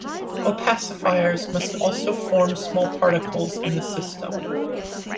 Opacifiers must also form small particles in the system.